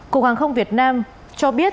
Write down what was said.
cục hàng không việt nam cho biết